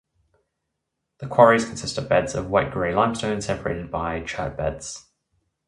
The quarries consist of beds of white-grey limestone separated by chert beds.